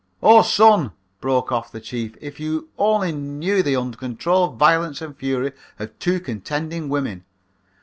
Oh, son," broke off the Chief, "if you only knew the uncontrolled violence and fury of two contending women.